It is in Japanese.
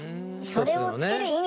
それをつける意味でも。